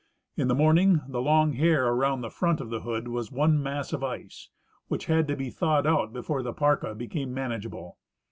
In the morn ing the long hair around the front of the hood was one mass of ice, which had to be thawed out before the parka became man ageable.